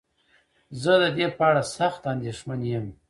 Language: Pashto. زه ددې په اړه سخت انديښمن يم.